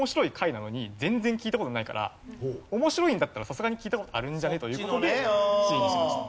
面白いんだったらさすがに聞いた事あるんじゃねという事でＣにしました。